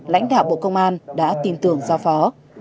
lãnh đạo bộ công an đã tin tưởng giao phó